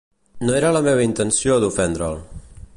No era la meva intenció d'ofendre'l.